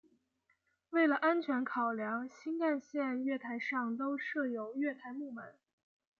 为了安全考量新干线月台上都设有月台幕门。